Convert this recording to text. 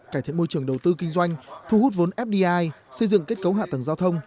cải thiện môi trường đầu tư kinh doanh thu hút vốn fdi xây dựng kết cấu hạ tầng giao thông